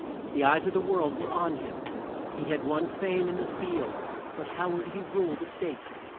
The eyes of the world were on him. He had won fame in the field, but how would he rule the State?